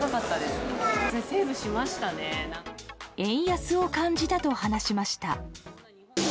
円安を感じたと話しました。